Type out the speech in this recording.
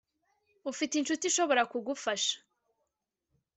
ufite inshuti ishobora kugufasha